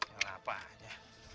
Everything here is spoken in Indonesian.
hai apa aja